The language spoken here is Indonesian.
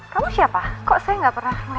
kamu siapa kok saya gak pernah melihat kamu ya